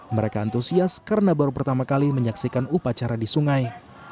mereka antusias karena baru pertama kali menyaksikan upacara di sungai